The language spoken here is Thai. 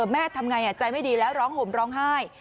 แม่ทำไงใจไม่ดีแล้วร้องห่มร้องไห้